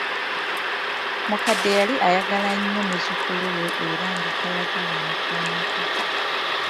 Omukadde yali ayagala nnyo muzzukulu we era nga tayagala amukoonako.